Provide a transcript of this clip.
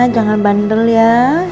jangan bandel ya